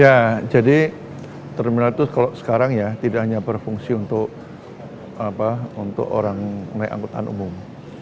ya jadi terminal itu kalau sekarang ya tidak hanya berfungsi untuk orang naik angkutan umum